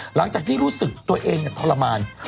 หลังจากที่รู้สึกตัวเองทรมาน